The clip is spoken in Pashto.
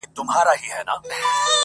پلار مي مه غوولی، پلار دي غيم دا ښاغلی.